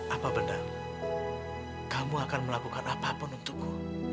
apa benar kamu akan melakukan apa pun untukku